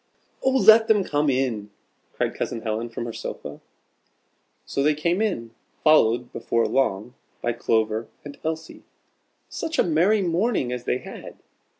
"Oh, let them come in!" cried Cousin Helen from her sofa. So they came in, followed, before long, by Clover and Elsie. Such a merry morning as they had!